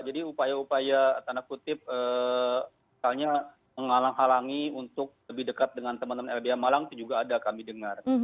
jadi upaya upaya tanda kutip misalnya menghalangi untuk lebih dekat dengan teman teman lpsk itu juga ada kami dengar